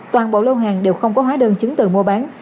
toàn bộ lô hàng đều không có hóa đơn chứng từ mua bán